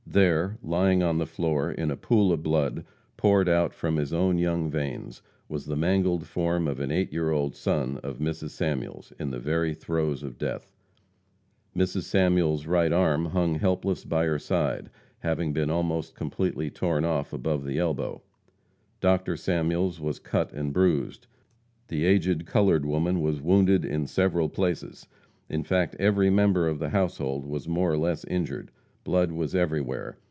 There, lying on the floor, in a pool of blood, poured out from his own young veins, was the mangled form of an eight year old son of Mrs. Samuels, in the very throes of death; Mrs. Samuels' right arm hung helpless by her side, having been almost completely torn off above the elbow. Dr. Samuels was cut and bruised; the aged colored woman was wounded in several places; in fact, every member of the household was more or less injured. Blood was everywhere.